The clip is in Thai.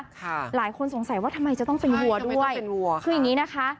ค่ะหลายคนสงสัยว่าทำไมจะต้องเป็นวัวด้วยคืออย่างนี้นะคะ